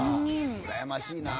うらやましいな。